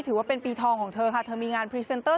ถือว่าเป็นปีทองของเธอค่ะเธอมีงานพรีเซนเตอร์